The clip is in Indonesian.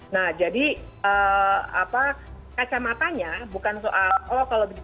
nah jadi kacamatanya bukan soal oh kalau sibuk maka tidak usah